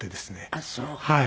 ああそう。